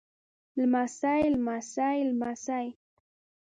لمسی لمسي لمسې